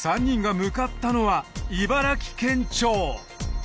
３人が向かったのは茨城県庁。